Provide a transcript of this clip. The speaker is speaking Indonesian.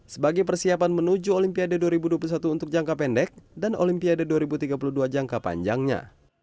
sebagai persiapan menuju olimpiade dua ribu dua puluh satu untuk jangka pendek dan olimpiade dua ribu tiga puluh dua jangka panjangnya